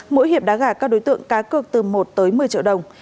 mỗi hiệp đá gà các đối tượng cá cược từ một tới một mươi triệu đồng